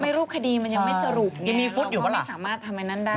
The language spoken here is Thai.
ไม่รูปคดีมันยังไม่สรุปเนี่ยเราก็ไม่สามารถทำแบบนั้นได้